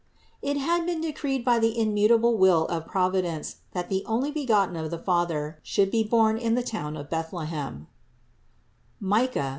448. It had been decreed by the immutable will of Providence that the Onlybegotten of the Father should be born in the town of Bethlehem (Mich.